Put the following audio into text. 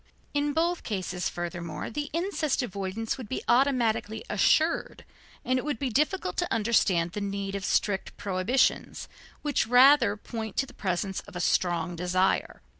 In both cases, furthermore, the incest avoidance would be automatically assured, and it would be difficult to understand the need of strict prohibitions, which rather point to the presence of a strong desire.